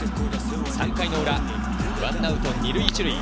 ３回裏、１アウト２塁１塁。